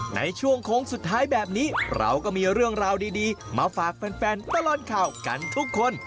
ในช่วงโค้งสุดท้ายแบบนี้เราก็มีเรื่องราวดีมาฝากแฟนตลอดข่าวกันทุกคน